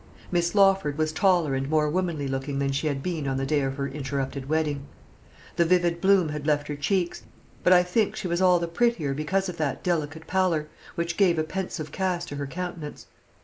Miss Lawford was taller and more womanly looking than she had been on the day of her interrupted wedding. The vivid bloom had left her cheeks; but I think she was all the prettier because of that delicate pallor, which gave a pensive cast to her countenance.